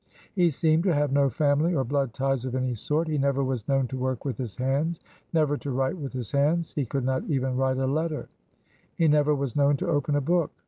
He seemed to have no family or blood ties of any sort. He never was known to work with his hands; never to write with his hands (he would not even write a letter); he never was known to open a book.